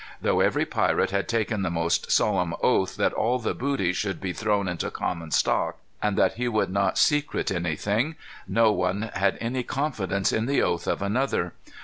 Though every pirate had taken the most solemn oath that all the booty should be thrown into common stock, and that he would not secrete anything, no one had any confidence in the oath of another.